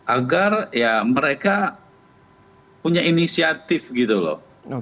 agar ya mereka punya inisiatif gitu loh